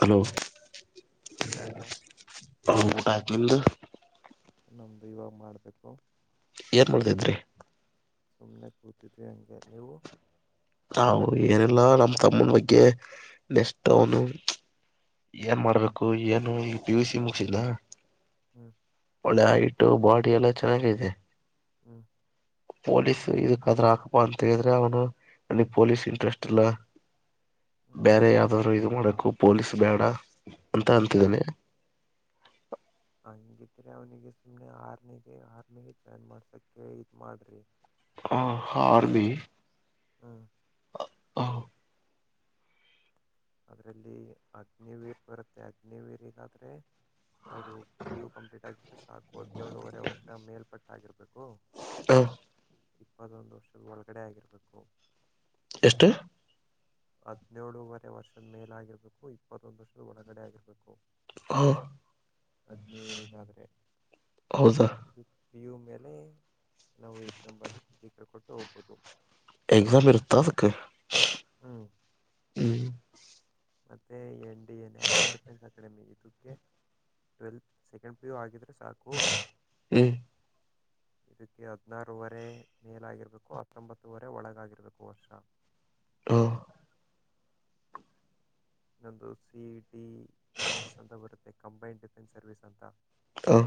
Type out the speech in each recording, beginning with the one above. Hello ಊಟ ಆಯ್ತಾ ಹ ಊಟ ಅಯ್ತು ನಿಂದು ನಮ್ದುು ಇವಾಗ ಮಾಡಬೇಕು ಏನು ಮಾಡ್ತಿದ್ರೀ ಸುಮ್ಮನೆ ಕೂತಿದ್ದೀ ಹಂಗೆ ನೀವು ನಾವು ಏನೆಲ್ಲಾ ನಮ್ಮ್ ತಮ್ಮನ ಬಗ್ಗೆ ನೆಕ್ಸ್ಟ್ ಅವನು ಏನ್ ಮಾಡ್ಬೇಕು ಏನು ಈಗ್ ಪಿ ಯು ಸಿ ಮುಗಸಿಲ್ಲ ಹ್ಮ್ ಒಳ್ಳೆ ಹೈಟ್ ಬಾಡಿ ಎಲ್ಲ ಚೆನ್ನಾಗಿದೆ ಹ್ಮ್ ಪೋಲೀಸ್ ಇದಕ್ದ್ರ ಹಾಕಪಾ ಅಂತ ಹೇಳಿದ್ರೆ ಅವನು ನನಗ್ ಪೊಲೀಸ್ ಇಂಟ್ರೆಸ್ಟ್ ಇಲ್ಲ ಹ್ಮ್ ಬೇರೆ ಯಾವ್ದಾದ್ರು ಇದು ಮಾಡಕು ಪೊಲೀಸ್ ಬೇಡ ಅಂತ ಹ್ಮ್ ಅಂತಿದ್ದನೆ ಹಂಗಿದ್ರೆ ಅವ್ನಿಗೆ ಸುಮ್ನೆ ಆರ್ಮಿಗೆ ಆರ್ಮಿಗೆ ಜಾಯ್ನ್ ಮಾಡ್ಸಕ್ಕೆ ಇದ ಮಾಡ್ರಿ. ಹು ಆರ್ಮಿ ಹು ಅ ಹೊ ಅದರಲ್ಲಿ ಅಗ್ನಿವೀರ ಬರುತ್ತೆ ಅಗ್ನಿವೀರಿಗಾದ್ರೆ. ಅವರು ಪಿ ಯು ಕಂಪ್ಲೀಟ್ ಆಗಿದ್ರೆ ಸಾಕು ಹದಿನೇಳುವರೆ ವರ್ಷ ಮೇಲ್ಪಟ್ಟ ಆಗಿರಬೇಕು. ಹು ಇಪ್ಪತ್ತೊಂದು ವರ್ಷದ ಒಳಗಡೆ ಆಗಿರಬೇಕು. ಎಷ್ಟ. ಹದ್ನೇಳುವರೆ ವರ್ಷದ ಮೇಲಾಗಿರ್ಬೇಕು ಇಪ್ಪತ್ತೊಂದು ವರ್ಷದ ಒಳಗಡೆ ಆಗಿರಬೇಕು. ಹ ಅಗ್ನಿವಿರಿಗಾದ್ರೆ ಹೌದಾ ಇದು. ಪಿ ಯು ಮೇಲೆ ನಾವು ಎಕ್ಸಾಮ್ ಬರ್ದು ಫಿಸಕ ಕೊಟ್ಟು ಹೋಗ್ಬೋದು. ಎಕ್ಸಾಮ್ ಇರುತ್ತಾ ಅದಕ್ಕ ಹ್ಮ್ ಹು ಮತ್ತೆ N D A national defence academy ಇದುಕ್ಕೆ. ಟ್ವೆಲ್ ಸೆಕೆಂಡ್ ಪಿ ಯು ಆಗಿದ್ರೆ ಸಾಕು. [inaudible] ಇದಕ್ಕೆ ಹದ್ನಾರುವರೆ ಮೇಲಾಗಿರ್ಬೇಕು ಹತ್ತೊಂಬತ್ತುವರೆ ಒಳಗಾಗಿರ್ಬೇಕು ವರ್ಷ. ಹು ನಂದು ಸಿ ಇ ಟಿ ಎಸ್ ಸತಾ ಬರುತ್ತೆ ಕಂಬೈಂಡ್ ಡಿಫೆನ್ಸ್ ಸರ್ವಿಸ್ ಅಂತಾ. ಹು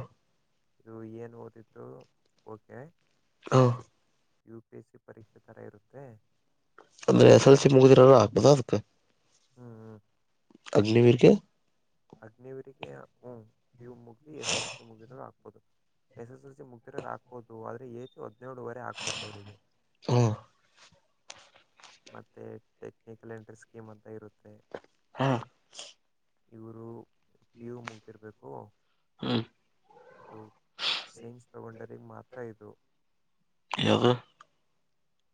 ಇದು ಏನು ಓದಿದ್ದು ಓಕೆ. ಹು ಯು ಪಿ ಎಸ್ ಸಿ ಪರೀಕ್ಷೆ ತರಾ ಇರುತ್ತೆ. ಅಂದರೆ ಎಸ್ ಎಲ್ ಸಿ ಮುಗಿದಿರೋರು ಆಗ್ಬೋದಾ ಅದಕ್ಕ. ಹು ಹು. ಅಗ್ನಿವೀರಗೆ. ಅಗ್ನವಿರಿಗೆ ಪಿ ಯು ಮುಗ್ದಿ ಎಸ್ ಎಸ್ ಎಲ್ ಸಿ ಮುಗಿದು ಹಾಕ್ ಬೋದು ಎಸ್ ಎಸ್ ಎಲ್ ಸಿ ಮುಗದಿರೋರು ಹಾಕ್ಬೋದು ಆದ್ರರೆ ಏಜ್ ಹದಿನೇಳುವರೆ ಆಕ್ಬೇಕು ಅವರಿಗೆ. ಹು ಮತ್ತೆ ಟೆಕ್ನಿಕಲಿ ಎಂಟ್ರಿ ಸ್ಕೀಮ್ ಅಂತ ಇರುತ್ತೆ. ಹಾ ಇವರು ಪಿ ಯು ಮುಗದಿರ್ಬೇಕು. ಹ್ಮ್ ಇದು ಸೈನ್ಸ್ ತಗೊಂಡರಿಗೆ ಮಾತ್ರ ಇದು. ಯಾವ್ದು.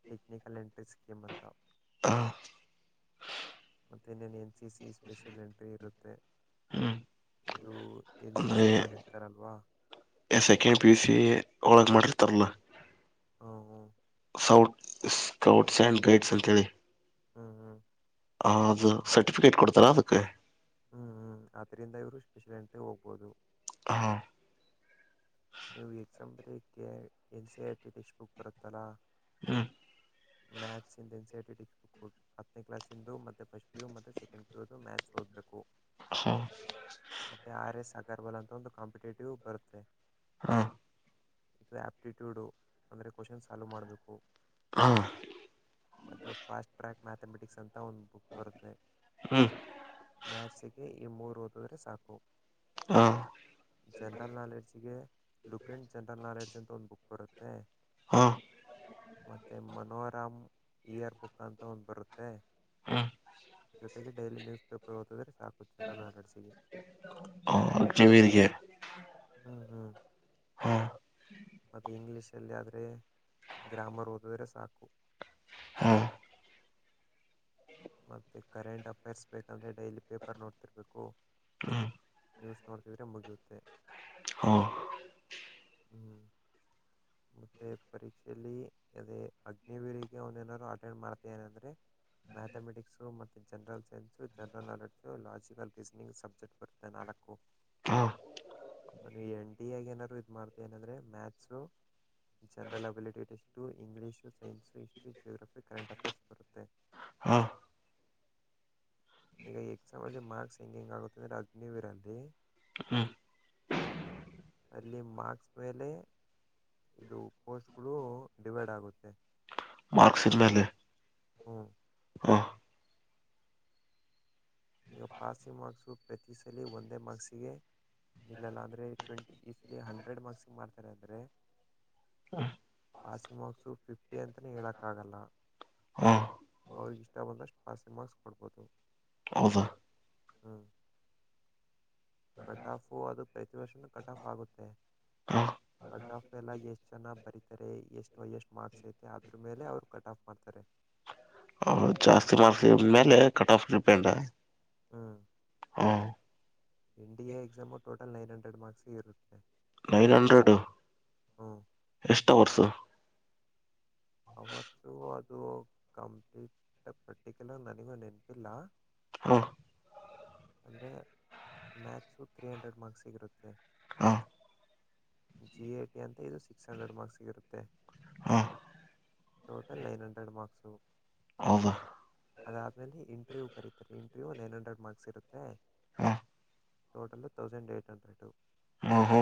ಟಕ್ನಿಕಲ್ ಎಂಟ್ರಿ ಸ್ಕೀಮ ಅಂತಾ. ಹಾ ಮತ್ತೆ ಇನೇನ N C C special entry ಇರುತ್ತೆ. ಹ್ಮ್ ಇದು ಎನ್ ಸಿ ಸಿ ಮಾಡಿರ್ತಾರಲ್ವಾ. A second P U C ಒಳಗ ಮಾಡಿರ್ತಾರಲ್ಲ. ಹು ಹು ಸೌಟ್ ಸ್ಕೌಟ್ಸ್ ಆ್ಯಂಡ್ ಗೈಡ್ಸ್ ಅಂತೇಳಿ. ಹು ಹು ಹಾ ಅದ ಸರ್ಟಿಫಿಕೇಟ್ ಕೊಡ್ತಾರಾ ಅದಕ್ಕೆ. ಹು ಹು ಅದ್ದರಿಂದ ಇವರು ಸ್ಪೆಷಲೆಂಟೇ ಹೋಗ್ಬೋದು. ಹಾ ನೀವು ಎಕ್ಸಾಮ ಬರಿಯೋಕೆ K N C I T test book ಬರುತ್ತಲ್ಲಾ ಹ್ಮ್ ಮಾಥ್ಸ್ ಅಂಡ್ ಫಿಸಿಕ್ಸ್ ಹತ್ತನ ಕ್ಲಸ್ ಇಂದು ಮತ್ತೆ ಫಸ್ಟ್ ಪಿು ಮತ್ತೆ ಸೆಕೇಂಡ್ ಪ ಯು ಮಥ್ಸ್ ಹದ್ಬೇಕು ಹ [unintelligible] ಮತ್ತೆ ಆರ್ ಎಸ್ ಅಗರ್ಬಲ್ ಅಂತ ಒಂದು ಕಾಂಪಿಟೇಟಿವ್ ಬರುತ್ತೆ ಹಾ ಇಥ ಆ್ಯಪ್ಟಿಟ್ಯೂಡು ಅಂದರೆ ಕ್ವಶನ್ ಸಾಲ್ವ್ ಮಾಡಬೇಕು ಹಾಂ ಮತ್ತೆ ಫಾಸ್ಟ್ ಟ್ರ್ಯಾಕ್ ಮ್ಯಾಥಮೆಟಿಕ್ಸ್ ಅಂತ ಒಂದು ಬುಕ್ ಬರುತ್ತೆ ಹ್ಮ್ ಮಾಥ್ಸ್ಗೆ ಈ ಮೂರು ಓದಿದ್ರೆ ಸಾಕು ಹಾ ಜನರಲ್ ನಾಲೆಡ್ಜ್ಗೆ ಲುಕ್ ಎಂಡ್ ಜನರಲ್ ನಾಲೆಡ್ಜ್ ಅಂತ ಒಂದು ಬುಕ್ ಬರುತ್ತೆ ಹಾ ಮತ್ತೆ ಮನೋರಾಮ್ ಇಯರ್ ಬುಕ್ ಅಂತ ಒಂದು ಬರುತ್ತೆ ಜೊತೆಗೆ ಡೈಲಿ ನ್ಯೂಸ್ ಪೇಪರ್ ಓದಿದ್ರೆ ಸಾಕು ಜನರಲ್ನಾಲೆಡ್ಜ್ ಹ ಅತಿವಿಗೆ [unintelligible] ಹ್ಮ್ ಹ್ಮ್ ಹಾ ಅದು ಇಂಗ್ಲೀಷಲ್ಲಿ ಆದರೆ ಗ್ರಾಮರ್ ಓದಿದ್ರೆ ಸಾಕು ಹಾ [unintelligible] ಮತ್ತೆ ಕರೆಂಟ್ ಅಫೇರ್ಸ್ ಬೇಕಂದ್ರೆ ಡೈಲಿ ಪೇಪರ್ ನೋಡ್ತಿರ್ಬೇಕು ಹ್ಮ ನ್ಯೂಸ್ ನೋಡ್ತಿದ್ರರೆೆ ಮುಗಿಯುತ್ತೆ ಹ ಹ್ಮ್ [inaudible] ಮತ್ತೆ ಪರೀಕ್ಷೆಯಲ್ಲಿ ಅದೇ ಅಗ್ನಿವೀರಿಗೆ ಅವನ್ ಏನಾದರು ಅಟೆಂಡ್ ಮಾಡ್ತ ಏ ಅಂದ್ರೆ ಮ್ಯಾಥಮೆಟಿಕ್ಸು ಮತ್ತು general science general knowledge logical reasoning subject ಬರುತ್ತೆ ನಾಲ್ಕು ಹಾ ಅವ ಎನ್ ಟ ಆಗ ಏನಾದ್ರು ಇದ್ ಮಾಡ್ತ ಏನಂದ್ರೆ ಮ್ಯಾಥ್ಸು ಜನ್ರಲ್ ಅಬಿಲಿಟಿಷ್ಟು English science history geography current affairs ಬರುತ್ತೆ ಹಾಂ ಈಗ ಎಕ್ಸಾಮಲ್ಲಿ ಮಾರ್ಕ್ಸ್ ಹ ಹೆಂಗೆ ಹೆಂಗ ಆಗುತ್ತೆ ಅಂದ್ರೆ ಅಗ್ನಿವೀರ ಅಲ್ಲಿ ಹ್ಮ್ ಅಲ್ಲಿ ಮಾಕ್ಸ್ ಮೇಲೆ ಇದು ಪೋಸ್ಟ್ಗಳು ಡಿವೈಡ್ ಆಗುತ್ತೆ ಮಾರ್ಕ್ಸ್ದ ಮೇಲೆ ಹಾ ಈಗ ಪಾಸಿಂಗ್ ಮಾರ್ಕ್ಸು ಪ್ರತಿ ಸಲ ಒಂದೇ ಮಾರ್ಕ್ಸಿಗೆ ಇಲ್ಲಲ್ಲ ಅಂದ್ರೆ ಟ್ವೆಂಟಿ ಈಸಲಿ ಹಂಡ್ರೆಡ್ ಮಾರ್ಕ್ಸ್ ಮಾಡ್ತಾರೆ ಅಂದ್ರೆ ಪಾಸಿಂಗ್ ಮಾರ್ಕ್ಸು ಫಿಫ್ಟಿ ಅಂತಲೇ ಹೇಳೋಕ್ಕಾಗಲ್ಲ ಹ ಅವ್ರಿಗೆ ಇಷ್ಟ ಬಂದಷ್ಟು ಪಾಸಿಂಗ್ ಮಾರ್ಕ್ಸ್ ಕೊಡ್ಬೋದು ಹೌದಾ ಹಾ ಕಟ್ ಆಫು ಅದು ಪ್ರತಿ ವರ್ಷನೂ ಕಟ್ ಆಫ್ ಆಗುತ್ತೆ ಹ ಕಟ್ ಆಫ್ ಎಲ್ಲ ಎಷ್ಟು ಚನಾ ಬರೀತಾರೆ ಎಷ್ಟು ಎಷ್ಟು ಮಾರ್ಕ್ಸ್ ಐತೆ ಅದ್ರ ಮೇಲೆ ಅವ್ರು ಕಟ್ ಆಫ್ ಮಾಡ್ತಾರೆ. ಜಾಸ್ತಿ ಮಾರ್ಕ್ ಮೇಲೆ ಕಟ್ ಆಫ್ ರೀಪೆಂಡಾ. ಹ್ಮ್. ಹಾ. India exam total nine hundred marks ಇರುತ್ತೆ. Nine hundred. ಹ್ಮ್. ಎಷ್ಟ ವರ್ಷ. ಅವತ್ತು ಅದು ಕಂಪ್ಲೀಟ್ ಪ್ರೆಕ್ಟಿಕ್ಯುಲರ್ ನನಗೂ ನೆನಪಿಲ್ಲ. ಹಾ. ಅಂದ್ರೆ ಮ್ಯಾಥ್ಸು ತ್ರೀ ಹಂಡ್ರೆಡ್ ಮಾರ್ಕ್ಸ್ಗಿರುತ್ತೆ. ಹ ಜಿ ಎ ಟಿ ಅಂತ ಇದು ಸಿಕ್ಸ್ ಹಂಡ್ರೆಡ್ ಮಾರ್ಕ್ಸ್ಗಿರುತ್ತೆ. ಹ ಟೋಟಲ್ ನೈನ್ ಹಂಡ್ರೆಡ್ ಮಾರ್ಕ್ಸು. ಹೌದ. ಅದಾದಮೇಲೆ ಇಂಟ್ರವ್ಯೂ ಕರೀತಾರೆ ಇಂಟ್ರವ್ಯೂ ನೈನ್ ಹಂಡ್ರೆಡ್ ಮಾರ್ಕ್ಸ್ ಇರುತ್ತೆ. ಹ ಟೋಟಲ್ ತೌಸಂಡ್ ಎಟ್ ಹಂಡ್ರೆಡು. ಹಾ ಹಾ.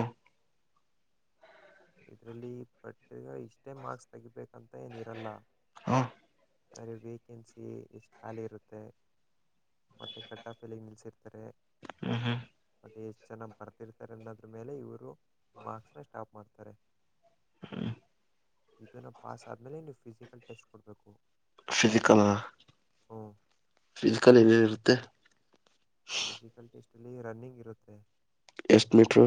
ಇದ್ರಲ್ಲಿ ಬಟ್ಟ್ ಇಷ್ಟೇ ಮಾರ್ಕ್ಸ್ ತೆಗಬೇಕಂತ ಏನಿರಲ್ಲ. ಹ್ಮ್ ಆದರೆ ವೇಕೆನ್ಸಿ ಎಷ್ಟು ಖಾಲಿ ಇರುತ್ತೆ. ಮತ್ತೆ ಕಟ್ಟಾಫೆಲ್ಗೆ ನಿಲ್ಸಿರ್ತಾರೆ. ಹ್ಮ ಹ್ಮ. ಮತ್ತೆ ಎಷ್ಟ್ ಚೆನ್ನಾ ಬರ್ತಿರ್ತಾರೆ ಅನ್ನೋದ್ರ ಮೇಲೆ ಇವ್ರು ಮಾರ್ಕ್ಸ್ ನ ಸ್ಟಾಪ್ ಮಾಡ್ ತರೇ ಇದನ್ನ ಪಾಸ್ ಆದ್ಮೇಲೆ ನೀವು ಫಿಸಿಕಲ್ ಟೆಸ್ಟ್ ಕೊಡ್ಬೇಕು. ಫಿಸಿಕಲ್ ಫಿಸಿಕಲ್ ಏನ ಇರುತ್ತೆ. ಫಿಸಿಕಲ್ ಟೆಸ್ಟಲ್ಲಿ ರನ್ನಿಂಗ್ ಇರುತ್ತೆ. ಎಸ್ಟ್ ಮಿಟ್ರೋ.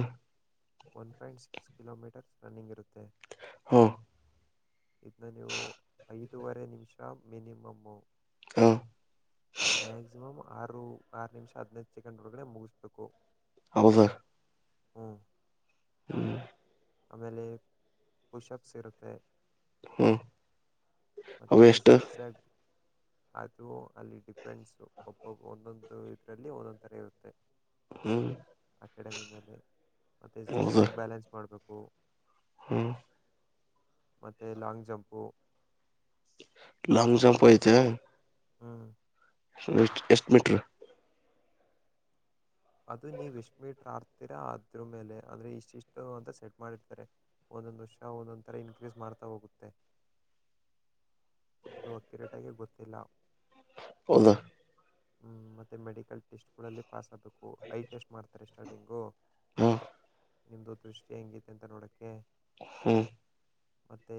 One point six kilometres running ಇರುತ್ತೆ. ಹ ಇದ್ನ ನೀವು ಐದುವರೆ ನಿಮಿಷ ಮಿನಿಮಮ್ಮು. [inaudible] ಮ್ಯಾಕ್ಸಿಮಮ್ ಆರು ಆರು ನಿಮಿಷ ಹದ್ನೖದ್ ಸೆಕೆಂಡ್ ಒಳಗಡೆ ಮುಗಿಸ್ಬೇಕು. ಹೌದಾ. ಹಾ. ಆಮೇಲೆ ಪುಷಪ್ಸ್ ಇರುತ್ತೆ. ಹ್ಮ್ ಅವ ಮತ್ತೆ ಎಷ್ಟು ಸಿಕ್ಸೆಕ್. ಅದು ಅಲ್ಲಿ ಡಿಪೆಡ್ಸು ಒಬ್ಬೊಬ್ಬ ಒಂದೊಂದು ಇದ್ರಲ್ಲಿ ಒಂದೊಂದ್ ತರ ಇರುತ್ತೆ. ಹ್ಮ್ ಅಕಾಡೆಮಿ ಮೇಲೆ ಮತ್ತೆ ಹೌದಾ ಸಿಕ್ಸಾಗ ಬ್ಯಾಲೆನ್ಸ್ ಮಾಡ್ಬೇಕು. ಹ್ಮ್ ಮತ್ತೆ ಲಾಂಗ್ ಜಂಪು. ಲಾಂಗ್ ಜಂಪ್ ಐತೆ. ಹ್ಮ. ಎಷ್ಟು ಮೀಟ್ರು. ಅದು ನೀವು ಎಸ್ಟಮಿಟ್ರ ಅಡ್ತಿರಾ ಅದ್ರಮೇಲೆ ಅಂದ್ರೆ ಇಷ್ಟಿಷ್ಟು ಅಂತ ಸೆಟ್ ಮಾಡಿರ್ತಾರೆ. ಒಂದೊಂದು ವರ್ಷ ಒಂದೊಂದು ಥರ ಇನ್ಕ್ರೀಸ್ ಮಾಡ್ತಾ ಹೋಗುತ್ತೆ. ಅದು ಅಕಿರೇಟಾಗಿ ಗೊತ್ತಿಲ್ಲ. ಹೌದಾ. ಹ್ ಮತ್ತೆ ಮೆಡಿಕಲ್ ಟೆಸ್ಟ್ಗಳಲ್ಲಿ ಪಾಸ್ ಆಗಬೇಕು ಐ ಟೆಸ್ಟ್ ಮಾಡ್ತಾರೆ ಸ್ಟಾರ್ಟಿಂಗು ಹ್ಮ್ ನಿಮ್ಮದು ದೃಷ್ಟಿ ಹೆಂಗೈತೆ ಅಂತ ನೋಡೋಕ್ಕೆ ಹ್ಮ್ ಮತ್ತುೆ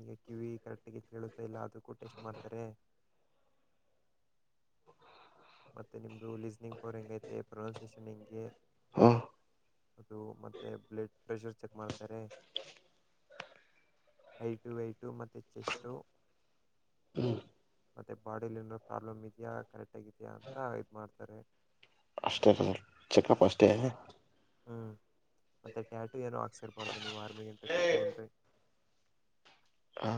ಈಗ ಕಿವಿ ಕರೆಕ್ಟ್ ಕೇಳುತ್ತಾ ಇಲ್ಲ ಅದಕ್ಕೂ ಟೆಸ್ಟ್ ಮಾಡ್ತಾರೆ ಮತ್ತೆ ನಿಮ್ದು ಲಿಸ್ನಿಂಗ್ ಪವರ್ ಹೆಂಗೈತೆ ಪ್ರೊನೌಸಿಯೇಷನ್ ಹೆಂಗೆ ಹ್ಮ ಅದು ಮತ್ತೆ ಬ್ಲಡ್ ಪ್ರೆಷರ್ ಚೆಕ್ ಮಾಡ್ತಾರೆ ಹೈಟು ವೈಟು ಮತ್ತೆ ಚೆಸ್ಟು ಹ್ಮ್ ಮತ್ತುತ್ತೆ ಬಾಡಿಲಿ ಏನಾರ ಪ್ರಾಬ್ಲಮ್ ಇದೆಯಾ ಕರೆಕ್ಟ್ ಆಗಿದೆಯಾ ಅಂತ ಇದು ಮಾಡ್ತಾರೆ ಅಷ್ಟೇ ರಿಸಲ್ಟ್ ಚೆಕಪ್ ಅಷ್ಟೇ ಹ್ಮಞ ಮತ್ತೆ ಟ್ಯಾಟು ಏನೋ ಹಾಕ್ಸಿರ್ಬಾರ್ದು ನೀವು ಆರ್ಮಿಗೆ ಎಂಟ್ರಿ ಕೊಡ್ತೀವಿನ್ ರರಿ ಹಾ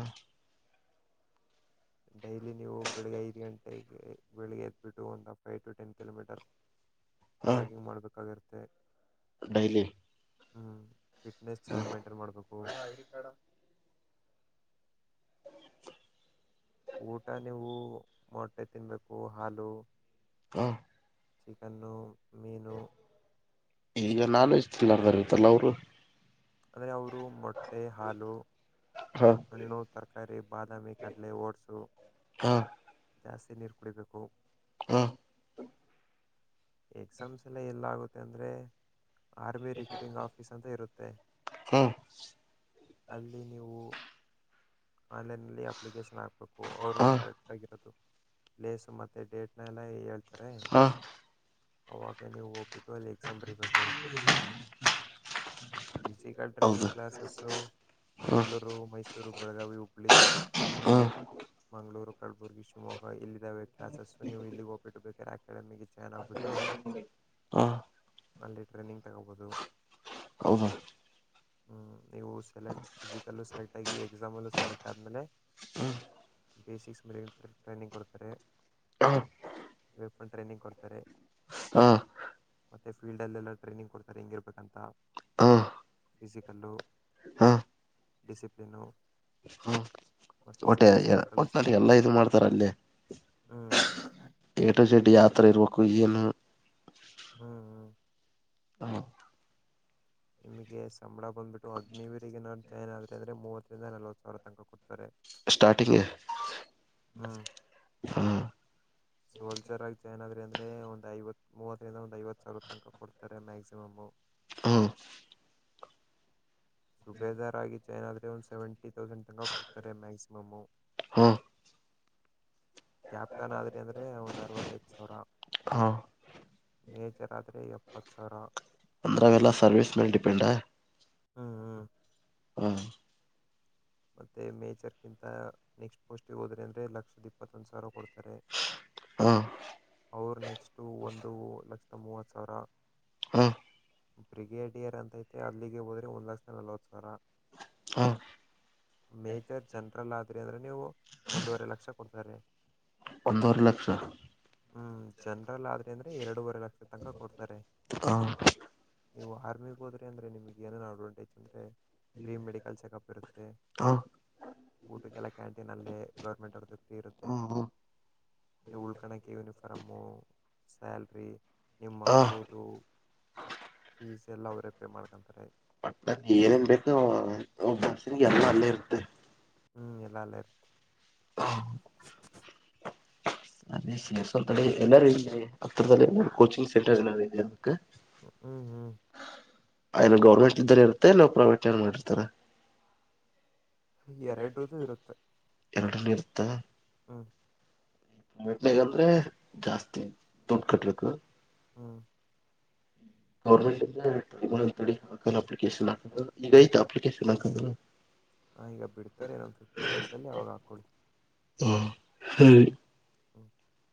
ಡೈಲಿ ನೀವು ಬೆಳಗ್ಗೆ ಐದು ಗಂಟೆಗೆ ಬೆಳಗ್ಗೆ ಎದ್ಬಿಟ್ಟು ಒಂದು ಫೈ್ ಟು ಟೆನ್ ಕಿಲೋಮೀಟರ್ಸ್ ಹ ಜಾಗಿಂಗ್ ಮಾಡಬೇಕಾಗಿರುತ್ತೆ ಡೈಲಿ ಹ್ಮ್ ಫಿಟ್ನೆಸ್ ಹ ಚೆನ್ನಾಗ್ ಮೈಂಟೈನ್ ಮಾಡ್ಬೇಕು ಊಟ ನೀವು ಮೊಟ್ಟೆ ತಿನ್ಬೇಕು ಹಾಲು ಹ ಚಿಕನ್ನು ಮೀನು ಈಗ ನಾನ್ವೆಜ್ ತಿನ್ನದರ್ದ್ ಇರುತ್ತರಲ್ಲ ಅವರು ಅದೆ ಅವರು ಮೊಟ್ಟೆ ಹಾಲು ಹ್ಮ ಹಣ್ಣು ತರಕಾರಿ ಬಾದಾಮಿ ಕಡಲೆ ಓಟ್ಸು ಹಾ ಜಾಸ್ತಿ ನೀರು ಕುಡಿಬೇಕು ಹ ಎಕ್ಸಾಮ್ಸ್ ಎಲ್ಲ ಎಲ್ಲಗುತ್ತೆ ಅಂದ್ರೆ ಆರ್ಮಿ ರಿಕೂಟಿಂಗ್ ಆಫೀಸ್ ಅಂತ ಇರುತ್ತೆ ಹ ಅಲ್ಲಿ ನೀವು ಆನ್ಲೈನಲ್ಲಿ ಅಪ್ಲಿಕೇಶನ್ ಹಾಕ್ಬೇಕು ಅವರು ಕರೆಕ್ಟ್ ಆಗಿರೋದು ಪ್ಲೇಸು ಮತ್ತೆ ಡೇಟ್ನೆಲ್ಲ ಹೇಳ್ತಾರೆ ಹ ಅವಾಗ ನೀವು ಹೋಗ್ಬಿಟ್ಟು ಅಲ್ಲಿ ಎಕ್ಸಾಮ್ ಬರಿಬೇಕು ಫಿಸಿಕಲ್ ಟ್ರೈನಿಂಗ್ ಹೌದು ಕ್ಲಾಸಸ್ಸು ಹ ಬೆಂಗಳೂರು ಮೈಸೂರು ಬೆಳಗಾವಿ ಹುಬ್ಳಿ ಹಾ ಮಂಗಳೂರು ಕಲಬುರ್ಗಿ ಶಿವಮೊಗ್ಗ ಇಲ್ಲ ಇದಾವೆ ಕ್ಲಾಸಸ್ ನೀವು ಇಲ್ಲಿಗೆ ಹೋಗ್ಬಿಟ್ಟು ಬೇಕಾದ್ರೆ ಅಕಡೆಮಿಗೆ ಜಾಯಿನ್ ಹಾಗಬಿಟ್ಟು ಹಾ ಅಲ್ಲಿ ಟ್ರೈನಿಂಗ್ ತಗೋಬೋದು ಹಾ [unintelligible] ನೀವು ಸೆಲೆಕ್ಟ್ ಫಿಸಿಕಲ್ಲೂ ಸೆಲೆಕ್ಟಾಗಿ ಎಕ್ಸಾಮಲ್ಲೂ ಸೆಲೆಕ್ಟ್ ಆದಮೇಲೆ ಹ ಬೇಸಿಕ್ಸ್ ಮಿಲಿಟರಿ ಟ್ರೈನಿಂಗ್ ಕೊಡ್ತಾರೆ ಹಾ ವೆಪನ್ ಟ್ರೈನಿಂಗ್ ಕೊಡ್ತಾರೆ [unintelligible] ಹಾ ಮತ್ತೆ ಫೀಲ್ಡ್ ಅಲ್ಲೆಲ್ಲ ಟ್ರೈನಿಂಗ್ ಕೊಡ್ತಾರೆ ಹೆಂಗಿರ್ಬೇಕಂತ ಫಿಜಿಕಲ್ಲು ಹಾ ಡಿಸಿಪ್ಲಿನು ಹ್ಮ ಮತ್ತೆ ಒಟ್ಟೆ ಸ್ಕಿಲ್ಸ್ ಎಲ್ಲ ಒಟ್ನಲ್ಲಿ ಕಳಿಸ್ತಾರೆ ಎಲ್ಲಾ ಇದು ಮಾಡ್ತಾರ ಹ್ಮ್ ಏಟೋ ಜೆಡ್ ಯಾವತಾರ ಇರ್ಬೇಕು ಏನು ಹ್ಮ ಹ್ಮ ನಿಮಗೆ ಸಂಬಳ ಬಂದ್ಬಿಟ್ಟು ಅಗ್ನಿವೀರಿಗೆ ನರು ಜಾಯ್ನ್ ಆದರೆ ಅಂದರೆ ಮೂವತ್ತರಿಂದ ನಲ್ವತ್ತು ಸಾವಿರ ತನಕ ಕ ಕೊಡ್ತಾರೆ ಸ್ಟಾರ್ಟಿಂಗ್ ಹ್ಮ್ ಹ್ಮ ಸೋಲ್ಜರ್ ಆಗಿ ಜಾಯ್ನ್ ಆದ್ರೆ ಅಂದ್ರೆ ಒಂದ್ ಐವತ್ ಮುವತ್ತರಿಂದ ಒಂದ್ ಐವತ್ ಸಾವಿರ ತನಕ ಕೊಡ್ತಾರೆ ಮ್ಯಾಕ್ಸಿಮಮೂ ಹುಂ ಸುಬೇದಾರಾಗಿ ಚೈನ್ನ ಆದ್ರೆ ಒಂದು ಸೆವೆಂಟಿ ತೌಸಂಡ್ ತನಕ ಕೊಡ್ತಾರೆ ಮ್ಯಾಕ್ಸಿಮಮು ಹ್ಮ್ ಕ್ಯಾಪ್ಟನ್ ಆದ್ರಿ ಅಂದರೆ ಒಂದು ಅರವತ್ತೈದು ಸಾವಿರಾ ಹಾ ಮೇಜರ್ ಆದರೆ ಎಪ್ಪತ್ತ ಸಾವಿರಾ ಅಂದ್ರ ಅವೆಲ್ಲ ಸರ್ವಿಸ್ ಮೇಲ ಡಿಪೆಂಡ್ ಹಾ ಮತ್ತೆ ಮೇಜರ್ ಗಿಂತ ನೆಕ್ಸ್ಟ್ ಪೋಸ್ಟ್ ಗೆ ಹೋದ್ರೆ ಅಂದ್ರೆ ಲಕ್ಷದ ಇಪ್ಪತ್ತೊಂದು ಸಾವಿರ ಕೊಡ್ತಾರೆ. ಹ ಅವರು ನೆಕ್ಸ್ಟು ಒಂದು ಲಕ್ಷದ ಮೂವತ್ತು ಸಾವಿರಾ ಹಾ ಬ್ರಿಗೇಡಿಯರ್ ಅಂತೈತೆ ಅಲ್ಲಿಗೆ ಹೋದ್ರೆ ಒಂದ್ ಲಕ್ಷ ನಲ್ವತ್ ಸಾವಿರಾ ಹಾ ಮೇಜರ್ ಜನರಲ್ ಆದ್ರಿ ಅಂದ್ರೆ ನೀವು ಒಂದೂವರೆ ಲಕ್ಷ ಕೊಡ್ತಾರೆ. ಒಂದುವರೆ ಲಕ್ಷಾ ಹುಂ ಜನರಲ್ ಆದ್ರೆ ಅಂದ್ರೆ ಎರಡೂವರೆ ಲಕ್ಷ ತನಕ ಕೊಡ್ತಾರೆ. ಹಾ ನೀವು ಆರ್ಮಿಗೆ ಹೋದ್ರೆ ಅಂದ್ರೆ ನಿಮಗೆ ಏನನು ಅಡ್ವಾಂಟೇಜ್ ಅಂದ್ರೆ ಫ್ರೀ ಮೆಡಿಕಲ್ ಚೆಕಪ್ ಇರುತ್ತೆ ಹ ಊಟಕ್ಕೆಲ್ಲಾ ಕ್ಯಾಂಟೀನ್ ಅಲ್ಲೇ ಗೌರ್ಮೆಂಟ್ ಅವ್ರ್ದು ಫ್ರೀ ಇರುತ್ತೆ ಹ್ಮ್ ಎ ಉಳ್ಕೊಳಕ್ಕೆ ಯೂನಿಫಾರಮು ಸ್ಯಾಲ್ರಿ ನಿಮ್ಮ ಹ ಮಕ್ಕಳದು ಫೀಸ್ ಎಲ್ಲಾ ಅವರೇ ಪೇ ಮಾಡ್ಕೊಂತಾರೆ ಏನನ್ಬೇಕು ಒ ಬಸ್ಸಿಗೆ ಎಲ್ಲಾ ಅಲ್ಲೇ ಇರುತ್ತೆ ಹುಂ ಎಲ್ಲಾ ಅಲ್ಲೇ ಇರುತ್ತೆ ಹ ಅ ಸ್ವಲ್ಪವೆ ತಡಿ ಎಲ್ಲಾರೂ ಹತ್ತಿರದಲ್ಲಿ ಕೋಚಿಂಗ್ ಸೆಂಟರ್ ಎಲ್ಲಾರುೂ ನಮ ಹುಂ ಹುಂ ಏನ್ ಗೌರಮೆಂಟ್ ಇದ್ದರೇ ಇರುತ್ತೆ ನಾವು ಪ್ರೈವೇಟ್ ಏ ನಡಿಸರ್ತಾರ ಎರಡರದು ಇರುತ್ತೆ ಎರಡುನು ಇರತ್ತಲ್ಲಾ ಹಾ ಮೆಟ್ಲೆಗಂದ್ರೆ ಜಾಸ್ತಿ ದುಡ್ಡು ಕಟ್ಟಭೇಕ್ಕು ಹಾ ಗೌರ್ಮೆಂಟ್ಂದ ತಡಿ ತ ಹಾಕನ ಅಪ್ಲಿಕೇಶನ್ ಹಾಕುದ ಈಗ ಐಯ್ತು ಅಪ್ಲಿಕೇಶನ್ ಹಾಕದು ಹಾ ಈಗ ಬಿಡ್ತಾರೆ ಅದು ಫಿಫ್ಟೀನ್ ಡೇಸಲ್ಲಿ ಈಗ ಹಾಕ್ಕೊಳ್ತನೀ ಹುಂ [unintelligible]